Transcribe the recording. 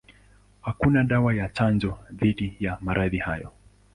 Hakuna dawa ya chanjo dhidi ya maradhi hayo.